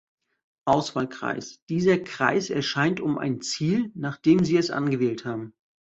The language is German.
Auswahlkreis: Dieser Kreis erscheint um ein Ziel, nachdem Sie es angewählt haben.